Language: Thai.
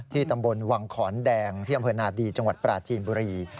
ตำบลวังขอนแดงที่อำเภอนาดีจังหวัดปราจีนบุรี